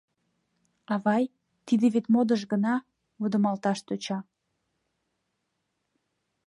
— Авай, тиде вет модыш гына, — вудымалташ тӧча.